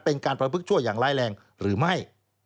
เป็นการประพฤกชั่วอย่างร้ายแรงหรือไม่